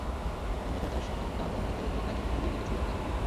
অন্যথায় তার সামনেই তা বন্ধ করে দিয়ে তাকে পৃথিবীর দিকে ছুঁড়ে ফেলা হয়।